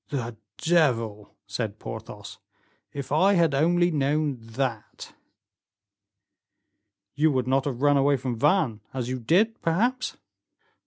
"The devil!" said Porthos, "if I had only known that!" "You would not have run away from Vannes as you did, perhaps?"